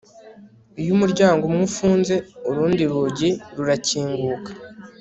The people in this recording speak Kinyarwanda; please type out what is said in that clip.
iyo umuryango umwe ufunze urundi rugi rurakinguka